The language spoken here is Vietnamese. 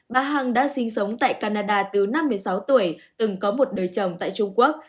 bà hằng đã sinh sống tại canada từ năm mươi sáu tuổi từng có một đời chồng tại trung quốc